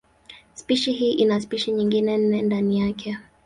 Spishi hii ina spishi nyingine nne ndani yake.